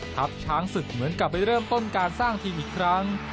ทัพช้างศึกเหมือนกลับไปเริ่มต้นการสร้างทีมอีกครั้ง